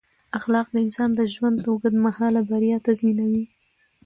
اخلاق د انسان د ژوند اوږد مهاله بریا تضمینوي.